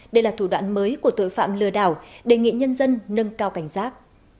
đây là thủ đoạn mới của tội phạm lừa đảo đề nghị nhân dân nâng cao cảnh giác